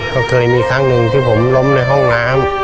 ก็เคยมีครั้งหนึ่งที่ผมล้มในห้องน้ำ